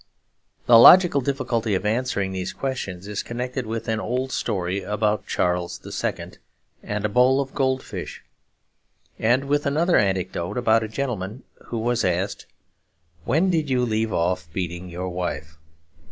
The logical difficulty of answering these questions is connected with an old story about Charles the Second and a bowl of goldfish, and with another anecdote about a gentleman who was asked, 'When did you leave off beating your wife?'